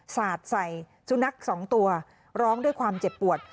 สาดใส่สุนัขสองตัวร้องด้วยความเจ็บปวด